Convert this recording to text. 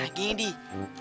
nah gini dee